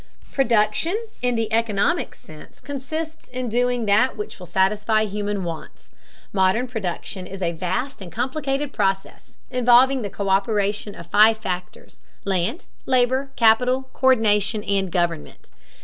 Production in the economic sense consists in doing that which will satisfy human wants. Modern production is a vast and complicated process, involving the co÷peration of five factors: land, labor, capital, co÷rdination, and government.